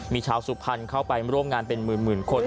มีชาวสุพรรณเข้าไปร่วมงานเป็นหมื่นคน